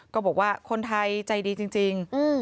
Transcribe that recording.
ก็บอกว่าคนไทยใจดีจริง